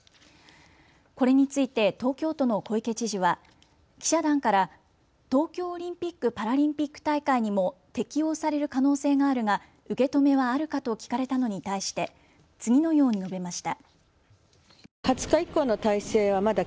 これについて東京都の小池知事は記者団から東京オリンピック・パラリンピック大会にも適応される可能性があるが、受け止めはあるかと聞かれたのに対して次のように述べました。